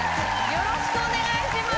よろしくお願いします。